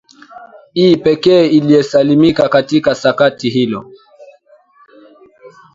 e pekee aliyesalimika katika sakata hilo